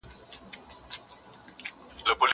زه له سهاره تمرين کوم!